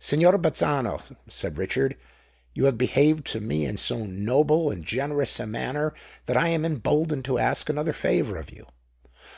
"Signor Bazzano," said Richard, "you have behaved to me in so noble and generous a manner that I am emboldened to ask another favour of you.